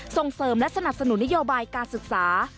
ส่งเสริมและสนับสนุนนโยบายการศึกษา